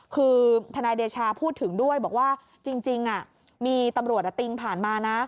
คือทนายเดชาพูดถึงด้วยบอกว่าจริงมีตำรวจติงผ่านมานะ